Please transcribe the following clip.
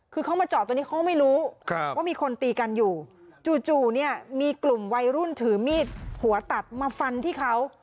คือเขามาจอดตรงนี้เขาไม่รู้ว่ามีคนตีกันอยู่จู่เนี่ยมีกลุ่มวัยรุ่นถือมีดหัวตัดมาฟันที่เขา